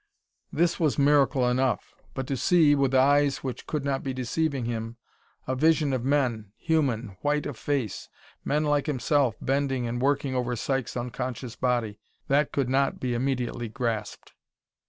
This was miracle enough! But to see, with eyes which could not be deceiving him, a vision of men, human, white of face men like himself bending and working over Sykes' unconscious body that could not be immediately grasped.